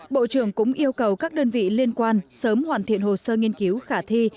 bộ trưởng cũng yêu cầu các đơn vị liên quan sớm hoàn thiện hồ sơ nghiên cứu khả thi